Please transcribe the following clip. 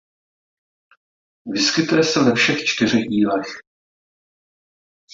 Vyskytuje se ve všech čtyřech dílech.